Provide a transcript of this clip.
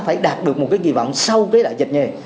phải đạt được một cái kỳ vọng sau cái đại dịch này